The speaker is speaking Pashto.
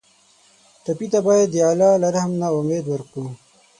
ټپي ته باید د الله له رحم نه امید ورکړو.